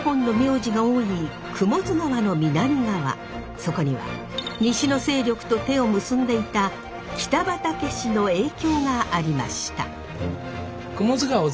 そこには西の勢力と手を結んでいた北畠氏の影響がありました。